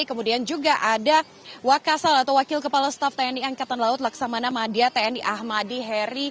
kemudian juga ada wakasal atau wakil kepala staf tni angkatan laut laksamana madia tni ahmadi heri